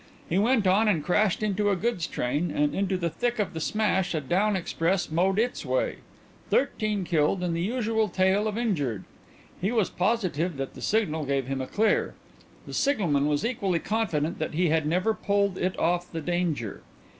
He went on and crashed into a goods train and into the thick of the smash a down express mowed its way. Thirteen killed and the usual tale of injured. He was positive that the signal gave him a 'clear'; the signalman was equally confident that he had never pulled it off the 'danger.'